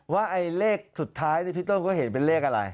ว่าไอ้เลขสุดท้ายพี่ต้นก็เห็นเป็นเลขอะไร